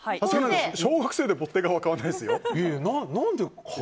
小学生でボッテガは買わないですよ。